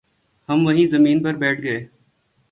ہم وہیں زمین پر بیٹھ گ